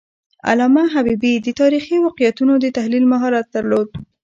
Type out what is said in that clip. علامه حبیبي د تاریخي واقعیتونو د تحلیل مهارت درلود.